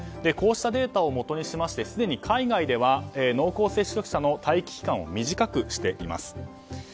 こうしたデータをもとにしてすでに海外では濃厚接触者の待機期間を短くしています。